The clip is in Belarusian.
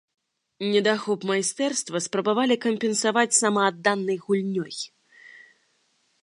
Недахоп майстэрства спрабавалі кампенсаваць самаадданай гульнёй.